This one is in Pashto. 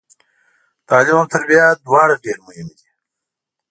تعلیم او تربیه دواړه ډیر مهم دي